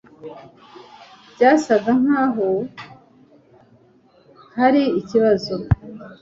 Byasaga nkaho hari ikibazo